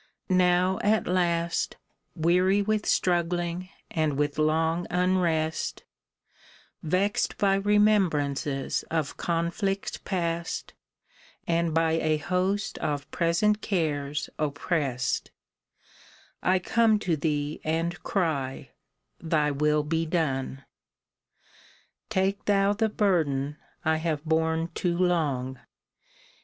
Now at last, Weary with struggling and with long unrest, Vext by remembrances of conflicts past And by a host of present cares opprest, I come to thee and cry, Thy will be done ! Take thou the burden I have borne too long.